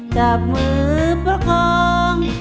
จับมือประคอง